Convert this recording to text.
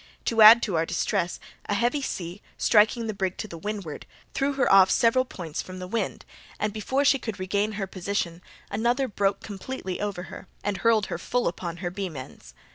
To add to our distress, a heavy sea, striking the brig to the windward, threw her off several points from the wind, and, before she could regain her position, another broke completely over her, and hurled her full upon her beam ends.